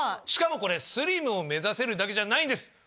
しかもこれスリムを目指せるだけじゃないんです。